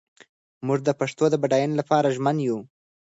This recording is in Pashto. موږ د پښتو د بډاینې لپاره ژمن یو.